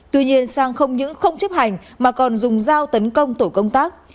tuy nhiên sang không những không chấp hành mà còn dùng dao tấn công tổ công tác